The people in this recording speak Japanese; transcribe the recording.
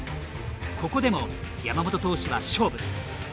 ここでも山本投手は勝負。